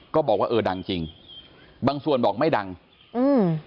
ก็บอกว่าเออดังจริงบางส่วนบอกไม่ดังอืม